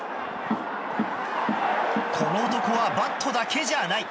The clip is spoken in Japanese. この男はバットだけじゃない。